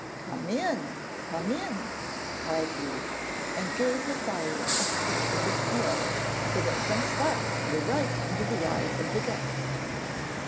'Come in! come in!' cried he, and gave the fire a switch with his tail, so that some sparks flew right into the eyes of the guest.